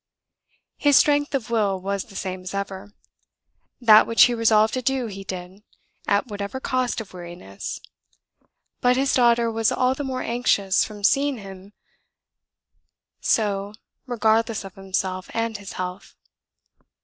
His strength of will was the same as ever. That which he resolved to do he did, at whatever cost of weariness; but his daughter was all the more anxious from seeing him so regardless of himself and his health.